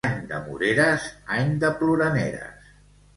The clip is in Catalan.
Any de moreres, any de ploraneres.